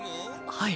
はい。